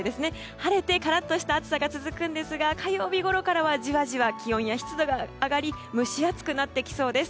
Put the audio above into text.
晴れてカラッとした暑さが続きますが、火曜日ごろからはじわじわ気温や湿度が上がり蒸し暑くなってきそうです。